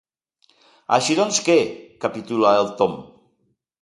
Així doncs què —capitula el Tom—.